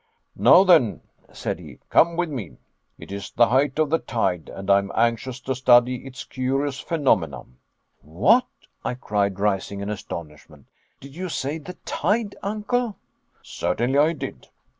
"Now then," said he, "come with me. It is the height of the tide, and I am anxious to study its curious phenomena." "What!"' I cried, rising in astonishment, "did you say the tide, Uncle?" "Certainly I did."